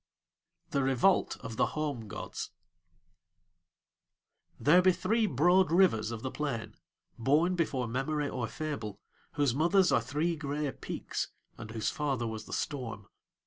THE REVOLT OF THE HOME GODS There be three broad rivers of the plain, born before memory or fable, whose mothers are three grey peaks and whose father was the storm.